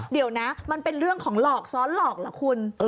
เดี๋ยวนะมันเป็นเรื่องของหลอกซ้อนหลอกล่ะคุณ